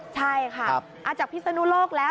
ใช่ค่ะจากพิศนุโลกแล้ว